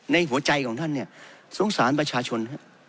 ในหัวใจของท่านเนี่ยสงสารประชาชน